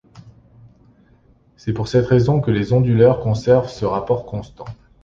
C'est pour cette raison que les onduleurs conservent ce rapport constant.